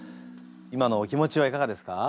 今のお気持ちはいかがですか？